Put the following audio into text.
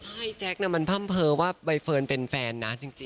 ใช่แจ๊คมันพ่ำเผลอว่าใบเฟิร์นเป็นแฟนนะจริง